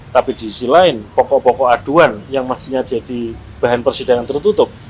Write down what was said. tapi di sisi lain pokok pokok aduan yang mestinya jadi bahan persidangan tertutup